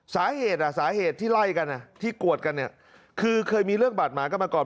สาเหตุสาเหตุที่ไล่กันที่กวดกันเนี่ยคือเคยมีเรื่องบาดหมากันมาก่อน